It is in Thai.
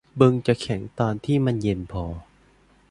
บึงจะแข็งตอนที่มันเย็นพอ